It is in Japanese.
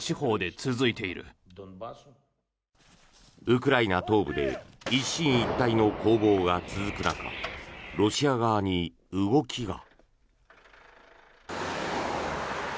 ウクライナ東部で一進一退の攻防が続く中ロシア側に動きが。